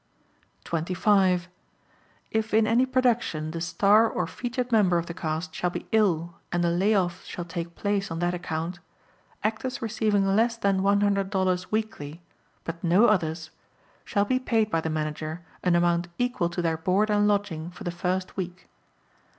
25. If in any production the star or featured member of the cast shall be ill and a lay off shall take place on that account, Actors receiving less than $100.00 weekly (but no others) shall be paid by the Manager an amount equal to their board and lodging for the first week.